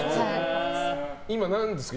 今、何ですか？